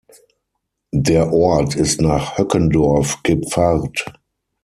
Der Ort ist nach Höckendorf gepfarrt.